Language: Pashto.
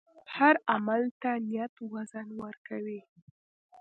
هر عمل ته نیت وزن ورکوي.